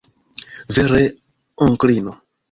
Vere, onklino.